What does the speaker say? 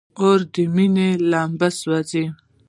اور د مینی بل سو